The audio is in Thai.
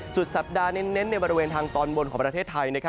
สุดสัปดาห์เน้นในบริเวณทางตอนบนของประเทศไทย